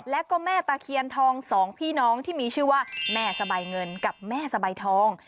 แล้วก็แม่ตะเคียนทองสองพี่น้องที่มีชื่อว่าแม่สบายเงินกับแม่สบายทอง